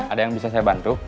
ada yang bisa saya bantu